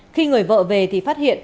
khi người vợ về thì phát hiện